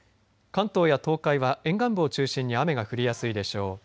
関東や東海は沿岸部を中心に雨が降りやすいでしょう。